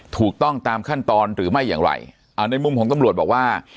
ถูกต้องตามขั้นตอนหรือไม่อย่างไรอ่าในมุมของตำรวจบอกว่า